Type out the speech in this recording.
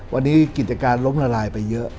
วันนี้กิจการล้มละลายไปเยอะ